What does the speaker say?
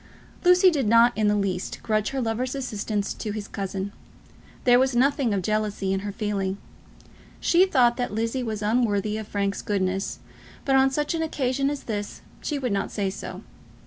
Lucy did not in the least grudge her lover's assistance to his cousin. There was nothing of jealousy in her feeling. She thought that Lizzie was unworthy of Frank's goodness, but on such an occasion as this she would not say so.